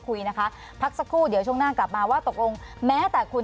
คุยนะคะพักสักครู่เดี๋ยวช่วงหน้ากลับมาว่าตกลงแม้แต่คุย